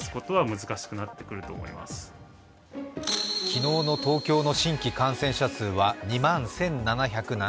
昨日の東京の新規感染者数は２万１７７０人。